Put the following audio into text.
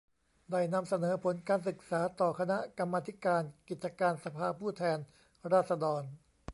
ได้นำเสนอผลการศึกษาต่อคณะกรรมาธิการกิจการสภาผู้แทนราษฎร